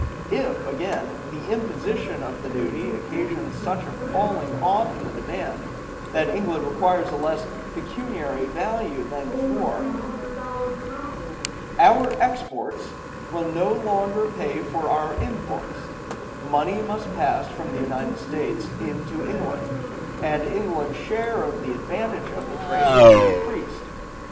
If, again, the imposition of the duty occasions such a falling off in the demand that England requires a less pecuniary value than before, our exports will no longer pay for our imports; money must pass from the United States into England; and England's share of the advantage of the trade will be increased.